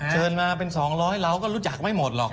เชิญมาเป็น๒๐๐เราก็รู้จักไม่หมดหรอก